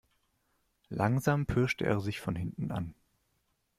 Langsam pirschte er sich von hinten an.